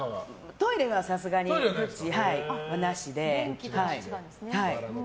トイレはさすがになしで。